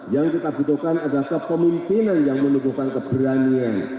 yang kita butuhkan adalah kepemimpinan yang menuduhkan keberanian